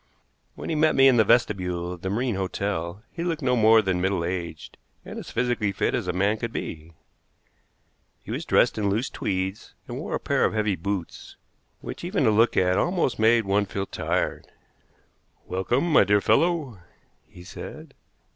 When he met me in the vestibule of the Marine Hotel he looked no more than middle aged, and as physically fit as a man could be. He was dressed in loose tweeds, and wore a pair of heavy boots which, even to look at, almost made one feel tired. "Welcome, my dear fellow!" he said.